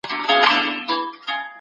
مسلمان به تل د حق پلوي کوي.